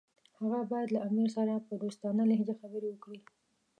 هغه باید له امیر سره په دوستانه لهجه خبرې وکړي.